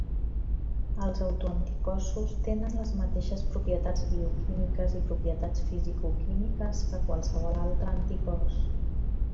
Els autoanticossos tenen les mateixes propietats bioquímiques i propietats fisicoquímiques que qualsevol altre anticòs.